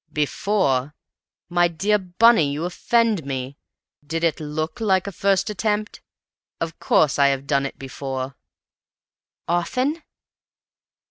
"Before? My dear Bunny, you offend me! Did it look like a first attempt? Of course I have done it before." "Often?"